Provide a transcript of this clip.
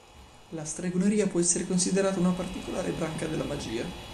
La stregoneria può essere considerata una particolare branca della magia.